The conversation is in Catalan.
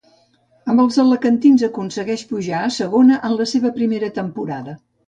Amb els alacantins aconsegueix pujar a Segona en la seva primera temporada.